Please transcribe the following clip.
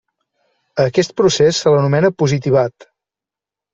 A aquest procés se l'anomena positivat.